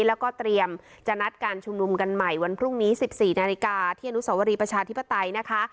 แล้วก็เตรียมจะนัดการชุมนุมกันใหม่วันพรุ่งนี้๑๔นาฬิกาที่อนุสวรีประชาธิปไตยนะคะ